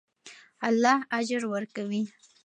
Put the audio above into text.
الله اجر ورکوي.